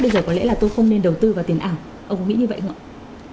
thì có lẽ là tôi không nên đầu tư vào tiền ảo ông có nghĩ như vậy không ạ